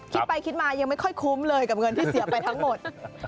คิดไปคิดมายังไม่ค่อยคุ้มเลยกับเงินที่เสียไปทั้งหมด